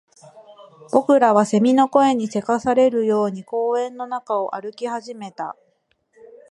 僕らは蝉の声に急かされるように公園の中を歩き始めた